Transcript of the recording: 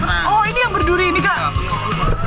ooo ini yang berduri ini kak